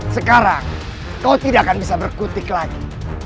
sekarang kau tidak akan bisa berkutik lagi